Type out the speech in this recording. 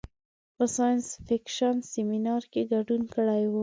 په ساینس فکشن سیمنار کې ګډون کړی و.